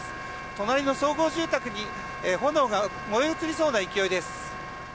隣の集合住宅に炎が燃え移りそうな勢いです。